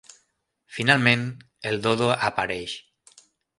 Finalment, el Dodo apareix.